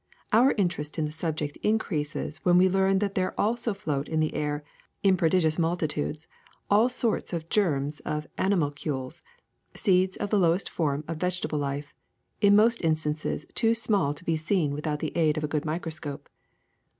Our interest in the subject increases when we learn that there also float in the air, in prodigious multitudes, all sorts of germs of animalcules, seeds of the lowest forms of vegetable life, in most instances too small to be seen without the aid of a good microscope.